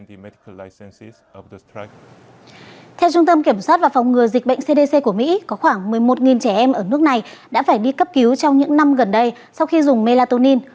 theo trung tâm kiểm soát và phòng ngừa dịch bệnh cdc của mỹ có khoảng một mươi một trẻ em ở nước này đã phải đi cấp cứu trong những năm gần đây sau khi dùng melatonin